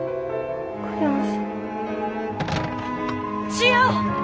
千代！